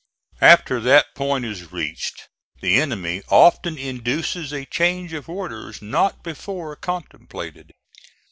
After that point is reached the enemy often induces a change of orders not before contemplated.